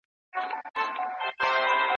ما په اوښکو کي لیدلی یو اثر دی